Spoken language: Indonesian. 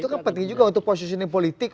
itu kan penting juga untuk positioning politik